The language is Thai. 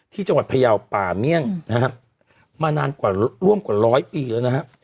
ที่จังหวัดพญาวป่ามีี่ยงมานานร่วมกว่าร้อยปีแล้วนะครับ